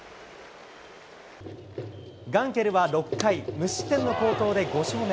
ガンケルは６回、無失点の好投で５勝目。